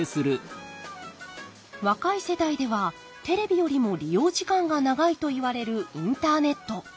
若い世代ではテレビよりも利用時間が長いといわれるインターネット。